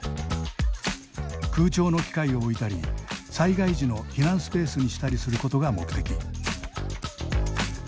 空調の機械を置いたり災害時の避難スペースにしたりすることが目的。